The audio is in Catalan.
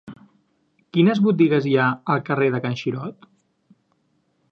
Quines botigues hi ha al carrer de Can Xirot?